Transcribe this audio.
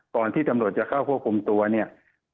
ก่อนที่ตำรวจจะเข้าควบคุมตัวเนี่ย